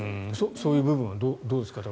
そういう部分はどうですか。